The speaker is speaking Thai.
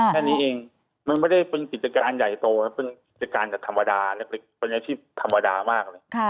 แค่นี้เองมันไม่ได้เป็นกิจการใหญ่โตนะเป็นกิจการกับธรรมดาเล็กเป็นอาชีพธรรมดามากเลย